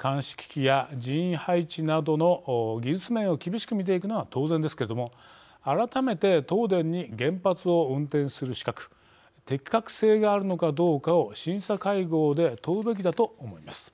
監視機器や人員配置などの技術面を厳しく見ていくのは当然ですけれども改めて東電に原発を運転する資格・適格性があるのかどうかを審査会合で問うべきだと思います。